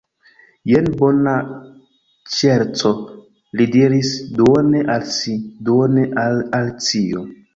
"Jen bona ŝerco," li diris, duone al si, duone al Alicio.